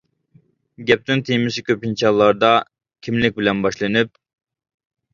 گەپنىڭ تېمىسى كۆپىنچە ھاللاردا كىملىك بىلەن باشلىنىپ.